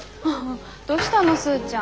どしたの？スーちゃん。